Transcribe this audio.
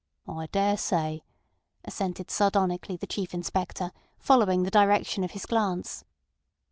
"I daresay," assented sardonically the Chief Inspector, following the direction of his glance.